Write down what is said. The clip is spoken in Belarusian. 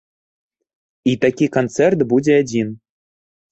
І такі канцэрт будзе адзін.